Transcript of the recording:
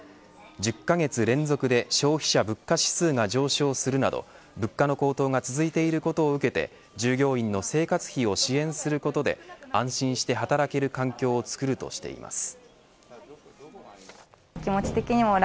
１０カ月連続で消費者物価指数が上昇するなど物価の高騰が続いていることを受けて従業員の生活費を支援することで安心して働ける環境を作るとしています。